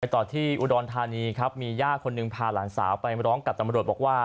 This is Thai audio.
ต่อที่อุดรธานีครับมีย่าคนหนึ่งพาหลานสาวไปร้องกับตำรวจบอกว่า